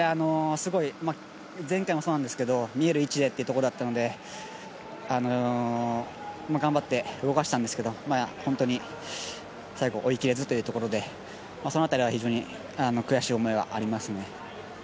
前回もそうなんですけど見える位置でというところだったので、頑張って動かしたんですけど本当に最後追い切れずということでその辺りは非常に悔しい思いはありますね。